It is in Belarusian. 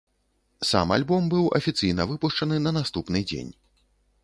Сам альбом быў афіцыйна выпушчаны на наступны дзень.